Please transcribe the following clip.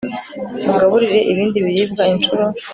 mugaburire ibindi biribwa incuro